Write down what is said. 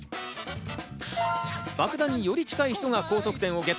爆弾により近い人が高得点をゲット。